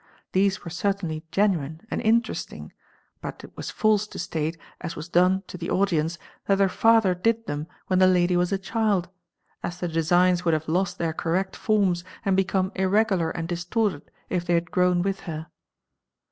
These were certainly genuine and interesting, but it was false to state as was done to the audience that her father did them when the lady was a child, as the designs would have lost their correct forms and become irregular 'and distorted if they had grown with her.